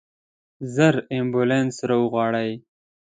ژر امبولانس راوغواړئ.